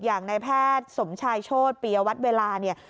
อย่างนายแพทย์สมชัยโชฎปรียะวัตเวลา